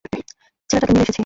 ছেলেটাকে মেরে এসেছি।